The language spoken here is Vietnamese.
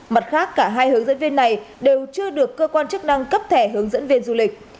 mặt khác cả hai hướng dẫn viên này đều chưa được cơ quan chức năng cấp thẻ hướng dẫn viên du lịch